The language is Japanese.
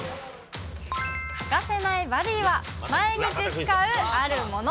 欠かせないバディは、毎日使うあるもの。